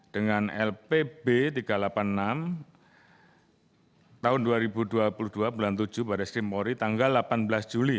dengan lpb tiga ratus delapan puluh enam tahun dua ribu dua puluh dua bulan tujuh baris krimpori tanggal delapan belas juli